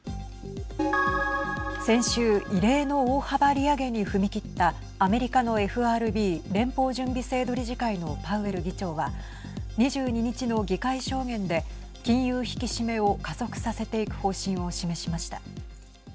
先週異例の大幅利上げに踏み切ったアメリカのＦＲＢ＝連邦準備制度理事会のパウエル議長は２２日の議会証言で金融引き締めを加速させていく方針を示しました。